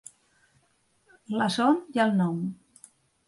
La son i el nom.